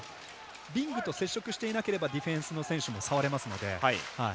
リングと接触していなければディフェンスの選手も触れますので。